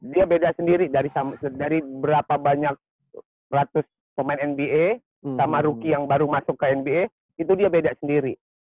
dia beda sendiri dari berapa banyak ratus pemain nba sama rookie yang baru masuk ke nba itu dia beda sendiri